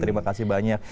terima kasih banyak